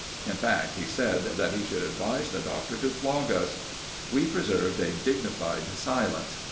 In fact, he said that he should advise the Doctor to flog us. We preserved a dignified silence.